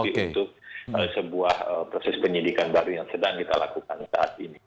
tapi untuk sebuah proses penyidikan baru yang sedang kita lakukan saat ini